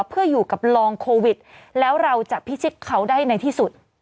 เพื่ออยู่กับลองโควิดแล้วเราจะพิชิตเขาได้ในที่สุด